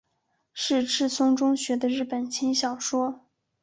是赤松中学的日本轻小说。